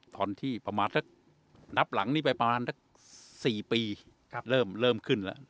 ธรรมที่ประมาทนับหลังนี้ไปประมาณสี่ปีครับเริ่มเริ่มขึ้นและ